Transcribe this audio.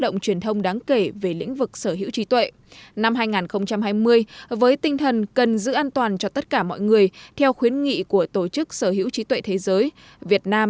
ngày sở hữu trí tuệ thế giới